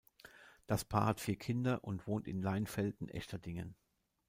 Das Paar hat vier Kinder und wohnt in Leinfelden-Echterdingen.